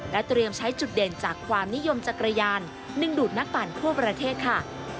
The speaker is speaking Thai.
เตรียมใช้จุดเด่นจากความนิยมจักรยานดึงดูดนักปั่นทั่วประเทศค่ะ